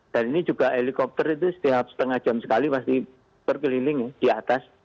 dan ini juga helikopter itu setiap setengah jam sekali pasti berkeliling di atas